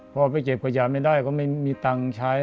พอไปเก็บขยะไม่ได้ก็ไม่มีตังค์ใช้